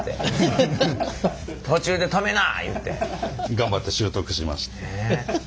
頑張って習得しました。